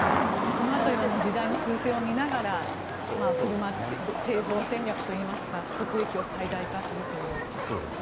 その辺りは時代の流れを見ながら生存戦略といいますか国益を最大化するという。